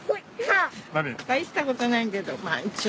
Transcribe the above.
大したことないけどまぁ一応。